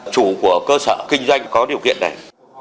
chủ của cơ sở kinh doanh có điều kiện này